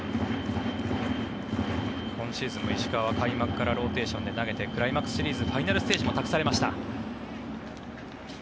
今シーズンも石川は開幕からローテーションで投げてクライマックスシリーズファイナルステージも託されました。